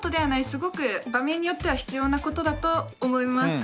すごく場面によっては必要なことだと思います。